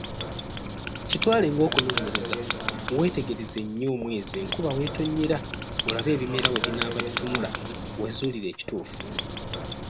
Kitwale ng'okunoonyereza weetegereze nnyo omwezi enkuba weetonyera, olabe ebimera bwe binaaba bitunula weezuulire ekituufu.